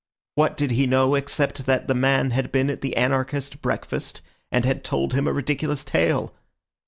What did he know, except that the man had been at the anarchist breakfast and had told him a ridiculous tale?